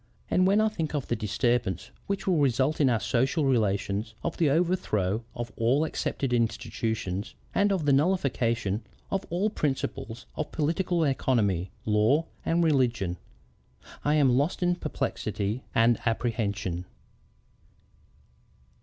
And when I think of the disturbance which will result in our social relations, of the overthrow of all accepted institutions, and of the nullification of all principles of political economy, law, and religion, I am lost in perplexity and apprehension."